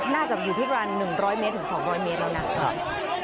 น่าจะอยู่ที่ประมาณ๑๐๐เมตรถึง๒๐๐เมตรแล้วนะตอนนี้